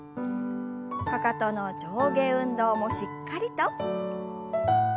かかとの上下運動もしっかりと。